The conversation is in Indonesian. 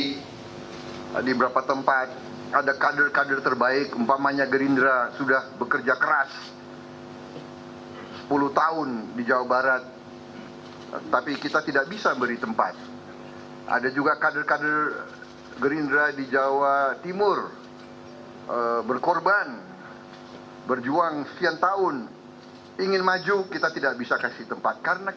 hai tadi berapa tempat ada kader kader terbaik umpamanya gerindra sudah bekerja keras sepuluh tahun di jawa barat tapi kita tidak bisa beri tempat ada juga kader kader gerindra di jawa barat dan jawa barat juga berjalan dengan keras dan berjalan dengan keras